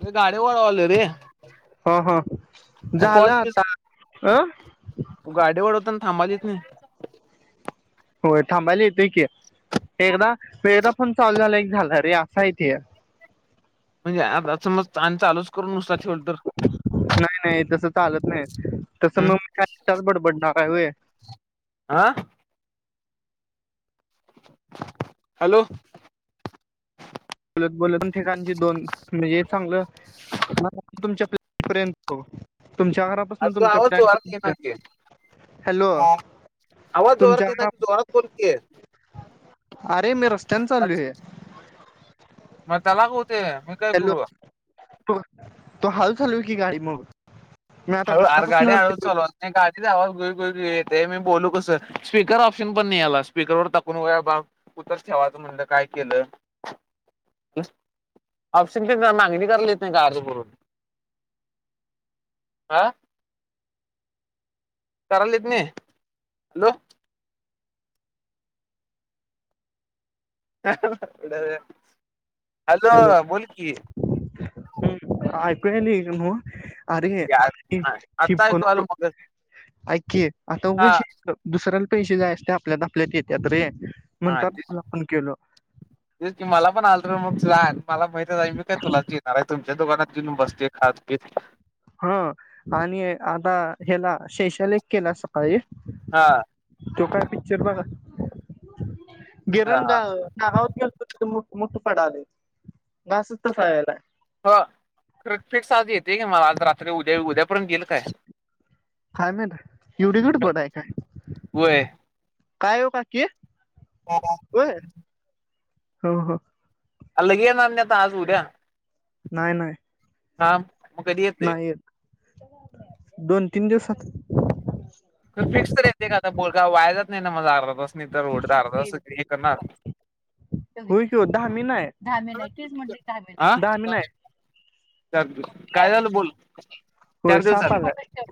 मी गाडी वळवालोय. रे ह ह झालं पॉज बीज आता अं आम्हाला येत नाही. होय थांबायला येतंय की एकदा एकदा फोन चालू झाला की झाला रे असं आहे ती म्हणजे आता समज आन् चालूच करून नुसतं नाही नाही तस चालत नाही. तस म हम्म मी काय पण बडबडणार आहे होय आ हॅलो बोलत बोलत ठिकाणची दोन म्हणजे चांगलं [inaudible] तुमच्या घरापासून अस तुमच्या आवाज फ्लॅट जोरात येईना पर की हॅलो आवाज तुमच्या जोरात येईना घरा की जोरात बोल की अरे मी रस्त्याने चाललोय. मताला होत हॅलो तू तु हळू चालव क की गाडी मग मी आता हळु आर घरापासून गाडी हळूच चालवाय आवाज गुई गुई येतंय मी बोलू कसं स्पीकर ऑप्शन पण नाही आला स्पीकरवर टाकून बघुन इथंच ठेवायचं म्हणलं काय केलं ऑप्शन ते मागणी करायला येतंय का अर्ज भरून. आ करालेत नाय हॅलो [inaudible] हॅलो बोल कि [inaudible] अरे आता आत्ता ऐकू आलं मग [inaudible] ऐक कि आता हा उगच दुसऱ्याला पैसे जायचे ते आपल्यात आपल्यात येतेत रे हा म्हणतात तेच तुला पण केलो ते कि मला पण आलतं [inaudible] ला मला माहितच हाय मी काय तुलाच देणार आहे तुमच्या दुकानात येऊन बसतोय खात पित. हा आणि आता ह्याला शैशाला एक केला सकाळी हा तो काय पिक्चर बघ हा हा [inaudible] मुठ पडाले ना सुतु सायला हो प्रत्येक साज येते आज रा अ उद्या उद्यापर्यंत घेईल काय? काय माहित एवढी गडबड आहे काय व्हय. काय हो काकी होय [inaudible] हो हो अलगेया नान्यता आज उद्या नाही नाही हा म कधी येते. नाही येत दोन तीन दिवसात. फिक्स तर येते का आता बोरगा वाया जात नाही ना माझा अर्धा तास नाही तर हो रोड अर्धा की तास हे करणार हो दहा मी नाही. धामी नाही. तेच म्हटल कि धामी नाही. हा धामी नाही. काय झालं बोल. होय चार दिवस साप झाल की आलाय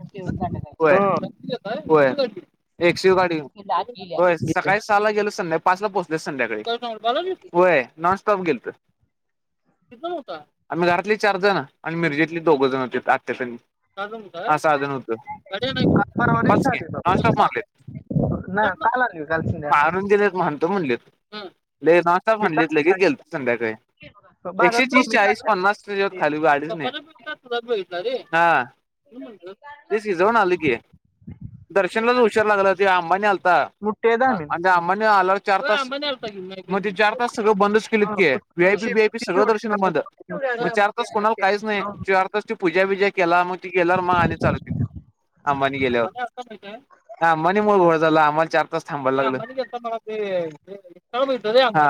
होय. हो व्हय एकशे गाडी होय गेल्या. सकाळी सहाला गेल संध्या पाचला पोहचले संध्याकाळी होय नॉनस्टॉप गेलत आम्ही घरातली चार जण आणि मिर्जेतले दोघ जण होते आत्यासंग हा साधन होत. काल परवा दिवशी आले बाबा नॉनस्टॉप मारलेत ना काल आणली काल संध्याकाळी मारून दिलेत म्हणतो म्हणलेत. हम्म नही आता म्हणल लगेच इथं गेलतो संध्याकाळी एकशे बाजारात तीस मम्मी चाळीस चालल्या पन्नास [unintelligible] ते शिजवून आली कि दर्शनलाच हुशार लागलं ते अंबानी आलता मुठ्ठी धामीन आणि अंबानी आला चार पाच मग ते चार तास सगळं बंदच केले इतक वीआयपी बीआयपी शेपटी सगळं दर्शन शेवटी बंद मग चार कोणाला काहीच नाही. पूजा बिजा केला मग ती गेल्यावर मग आणि चालू केल अंबानी गेल्यावर अंबानी मुळ घोळ झाला आम्हाला चार तास थांबायला लागलं हा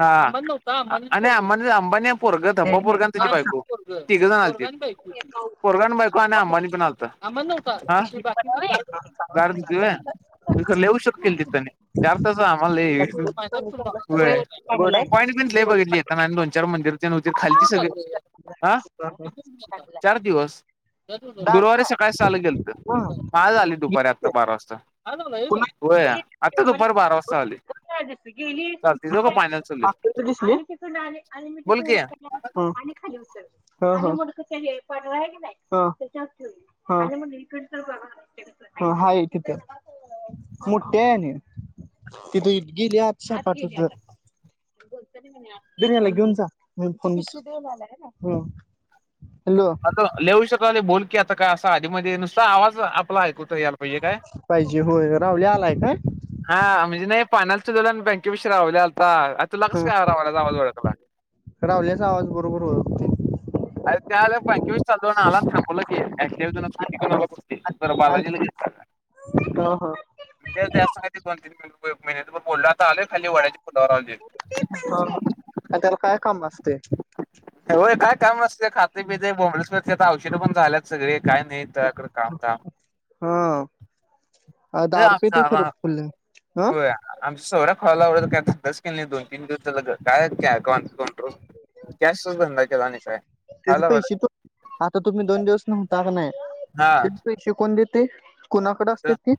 हा आणिं अंबानी अंबानी पोरग धब्बा पोरगन त्याची बायको [unintelligible] पोरगा न बायको आणि आंबानी पण आलता. अंबानी नव्हता. हे बाकीचे गार्ड होते. गार्ड होते व्हय. येऊ शकते इतले चार तास हे व्हय गोड आहे? पॉईंट बिईंट लय बघितली आम्ही दोन-चार मंदिरची नवतीर खाल्लची सगळे [unintelligible] चार दिवस दामिन गुरुवारी आहे सकाळी सहा ला गेलत हा. मग आज आलेत दुपारी आत्ता इतके. बारा वाजता! पुन्हा होय आता दुपारी बार वास्ता आलोय! त्या दिवशी गेली चाललोय आत्ता ती दिसली आली म्हणजे बोल की हम्म! हां हां हां हां हां हाय तिथं मोठी आहे आणि तिथं! गेली आत सपाट संग दन्याला घेऊन जा फोन हम्म! हॅलो लई उशीर झाल बोल! बघ की ता आधी मध्ये नुसता आवाज आपला ऐकून! पाहिजे होय राहुल्या आलाय का? फायनालच्या दलान बँके पिशी राहुल्या आलता! तुला कसं हां काय रावल्याचा आवाज ओळखला रावल्याचा आवाज बरोबर ओळखतोय! अरे त्या आलेत बँकेपाशी चालव आला थांब! बोला की [unintelligible] आणि बालाजी ला घेलतसा ह ह काय ते आहे सांग दोन तीन - [unintelligible] कोल्हा आता आलय खाली वड्याच्या पुलावर आलोय. ह आणि त्याला काय काम असतय! होय काय काम असतं! काय खातंय पितय बोंबलत फिरत- औषध पण झाल्यात सगळे. काही नाही त्या कडे कामधाम- अ दारु पितय खरं फुल्ल हं! सवऱ्या खुळ्या [unintelligible] काय धंदाच केला नाही दोन तीन दिवस झालं त्या काय कॅश धंदा केला आणि! काय त्याचे खायला पैसे आवडत तो आता तुम्ही दोन दिवस नव्हता कि नाही. हा ते पैसे कोन देत? ते कुणाकडे असते कुठं ती?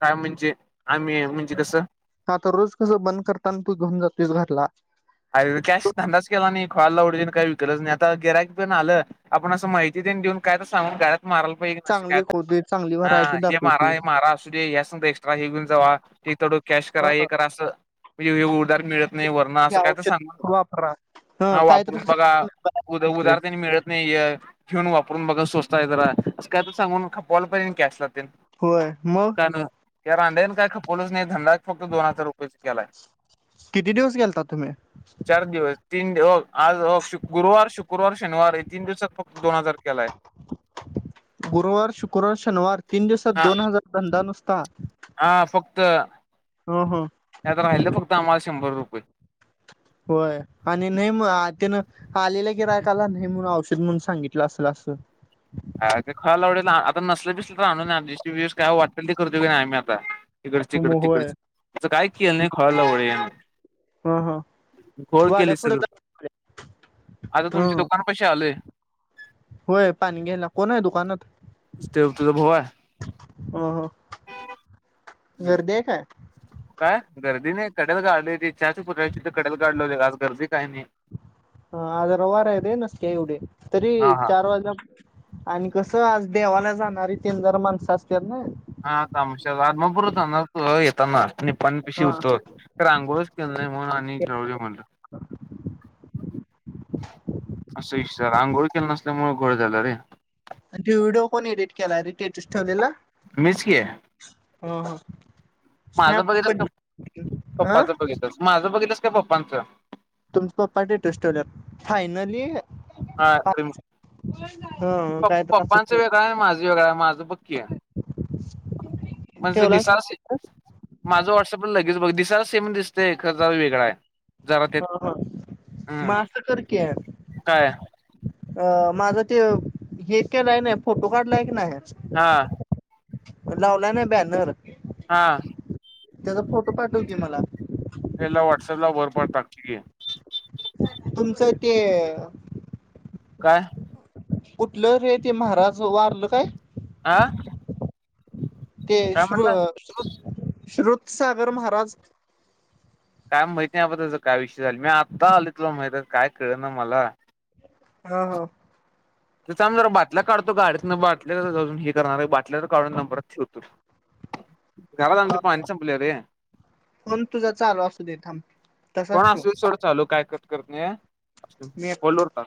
काय म्हणजे आम्ही म्हणजे कसं हा तर रोज! कसं बंद करताना तू घेउन जातोयस घरला - अरे कॅश न धंदाच केला नाही खुळ्या लवड्याच काही विकलंच नाही आता गिराईक पण आलं, आपण असं माहिती तेन देऊन काय तर सांगून घरात! माराला पाहिजे कुणी अशी चांगली काय एक र होते चांगली हा व्हरायटी हे मारा, दाखवते हे मारा, असुदे ह्या संग एक्स्ट्रा हे घेऊन जा, ते तेवढ कॅश करा हे करा असं म्हणजे हे उदार मिळत नाही, वरण की असं! काय तर औषध सांगा, वापरा हा ह काय तर वापरून बघा, ते उद-उदार त्यांनी मिळत नाहीय य! फिरून वापरून बघा स्वस्त आहे जरा, असं काय तर सांगून खपवायला पाहिजे की कॅश ला! होय मग - त्या रांडंच्यान काय खपवलच नाही काय धंदा फक्त दोन हजार रुपयच केलाय. किती दिवस गेलतात. तुमी- चार दिवस तीन दिव आज होक, शुक्रवार, शुक्रवार शनिवार हे तीन दिवसात फक्त दोन हजार केेलाय. गुरुवार शुक्रवार, शनिवार - तीन दिवसात दोन हजार धंदा नुस त्ता [unintelligible] हा फक्त- ह ह्यात राहील ब कामाला शंभर रुपये होय आणि नाही म त्यान आलेलं गिरायकाला नाही म्हणून औषध म्हणून सांगितलं असल असं हा ते खुळ्या लवड्याच आता नसल बिसल तर आणून अँड जस्ट बिष्ट काय वाटेल ते करतोय मी कायम आता तिकड हिकड मग होय तिकडच त्या काय केलं नाही खुळ्या लवड्याच्यान ह ह घोळ केलय वाड्या पुढे सगळ आता ह तुमच्या दुकान पशी आलोय होय पाणी घ्यायला कोण हाय दुकानात देवतेचा भाऊ हाय ह ह गर्दी आहे काय काय गर्दी नाही कडल गाडी लावली ते चहाच्या पुतळा हित कडला गाडी लावल्या आज गर्दी काय नाही. ह आज रवार आहे नय नसते एवढे तरी हा हा चार वाजल्या आणि कस त आज देवाला जाणारी तीन जर माणसं असत्यात नई [inaudible] पण पिशी हा उसतवर आंगोळच केलं नाही म्हणून आणि राहुदे म्हणलं [unintelligible] असं विषय झाला अंघोळ केला नसल्यामुळे घोळ झाला रे आणि तो व्हिडिओ कोण एडिट केला रे स्टेटस ठेवलेला मीच की हा हा. माझ स्नॅप बघितलस का पडलं हा पप्पाच बघितलस माझ बघितलस का पप्पाच तुमचा पप्पा टेटेस्टवल्या फायनली [unintelligible] प तर असं पप्पांचं ठेव वेगळाय हाय माझ वेगळाय हाय माझं बंग की म्हजे ठेवलास दिसाल की माझ वॉटसअपला लगेच बघ जरा सेम दिसतय खर जरा वेगळाय हा हा म आस कर की अ काय माझं ते हे केलाय कणी फोटो काढलाय कणाय हा [unintelligible] लावला नाय बॅनर हा त्याचा फोटो पाठव की मला त्याला व्हॉट्सॲप ला वर पाठवलं त्याची घे तुमचं ते काय कुठलं रे ते महाराज वारलं काय आं ते श्रु श्रुत श्रुतसागर महाराज काय माहिती नाही त्याचा काय विषय झाला मी आत्ता आली तला माहित काय कळ ना मला हा हा ये थांब जरा बाटल्या काढतो गाडीतन बाटल्या अजून हे करणार आहे बाटल्या तर काढून नंबरच ठेवतो घरात ह आमचं पाणी [unintelligible] संपलंय रे फोन तुझा चालू असू दे थांब. फोन तसाच ठेव असु दे सोड चालू काय करु करतोया. मी होल्ड वर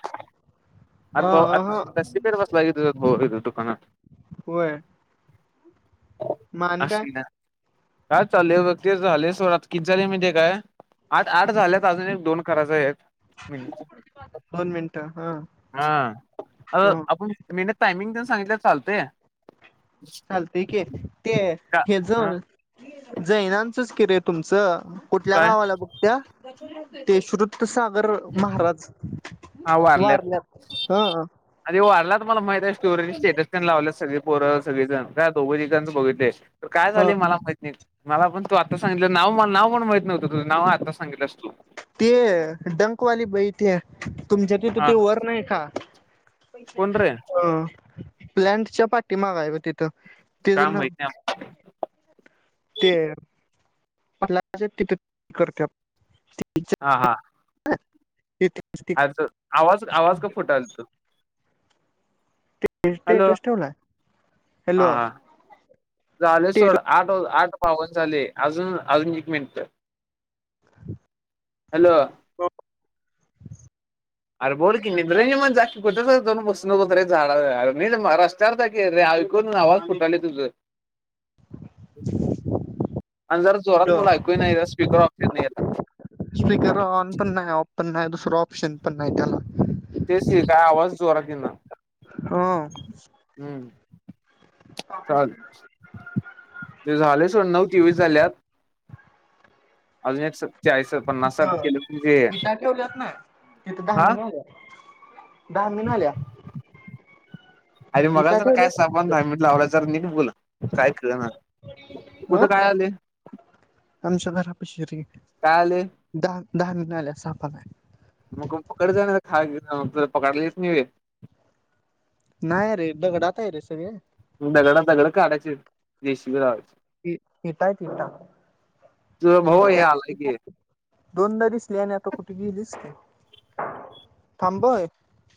ह ह होता [unintelligible] सीपेर बस ला ही ह. होय. म आणि काय? असं ना काय चाललोय बघ ते झाले सोड आता [unintelligible] किती झाले माहिती आहे काय आठ आठ झाल्यात अजून एक दोन करायच आहेत. दोन मिनिटं हा हा ह आपण अ मीन टायमिंग देउन सांगितलं चालत. ते. चालतेय की ते का हे ज हा जैनांचंच किरे तुमचं. कुठल्या काय गावाला बघत्या? ते सुरू त सागर महाराज. हा वारल्यात आनी वारलात. मला माहित आहे स्टोररीज स्टेटस लावल्यात सगळी पोरं सगळेजण. त्या दोघ [unintelligible] ह्यांच बघितले. तर काय ह झाली मला माहत नाही. मला पण तू आत्ता सांगितलं नाव मल नाव पण माहित नवतं तु नाव आता सांगितलं अस तू. ते डंकवाली बाई ते. तुमच्या तिथ हा ती वर नाही का कोण रे ह. प्लँन्टच्या पाठी मागाय ब तिथं. तेच का ना माहित नाय आपल्याला. ते [unintelligible] तिथे करत्यात. हा हा. आज आवाज आवाज का फुटाल त. [unintelligible] स्टेटस ठेवलाय हा हॅलो. हा झाले सोड स्टेटस आठ आठ बावन झाले अजून अजून एक मिनंट. [inaudible] हॅलो. हो. अरे बोल की निट रईमत जा की कुटतर जाउन बसु नकोस रे झाडा अं आं नी रस्त्यावर जा की रे ऐकू येत नाय आवाज फुटालाय तुझं [unintelligible] आणि जरा जोरात बोल ऐकू नाहीय स्पीकर ऑफ केलाय आता. स्पीकर ऑन पण नाही ऑफ पण नाही दुसरं ऑप्शन पण नाही त्याला चोरा की ना हो चाल ते झाले सोड नऊ तेवीस झाल्यात अजून एक चाळीस पन्नास साठ तीथं केले म्हणजे वीटा ठेवल्यात ना तिथं हा धार्मिक घाव अरे विटा मगाजदरनं काय ठेवल्यात सहामन ना धा मिनिटं लावलास जरा निट बोला काय कळंना कुठं तिथं काय आले शरी काय आलय धार्मिक आलीया साप आलाय मग पकड जा ना खा त पकडला येत नाही वय नाही रे दगडात आहे रे सगळे दगडं दगडं काढायचय जिसीपी लावून इटायत इटा तुझा भाऊ हे मोठ्या आलाय की दोनदा दिसली आणि आता कुठे गेलीच ते थांबय